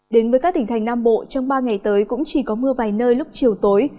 đến với các tỉnh thành nam bộ trong ba ngày tới cũng chỉ có mưa vài nơi lúc chiều tối